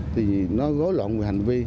thì nó gối loạn về hành vi